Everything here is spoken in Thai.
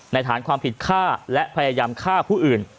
ฐานความผิดฆ่าและพยายามฆ่าผู้อื่น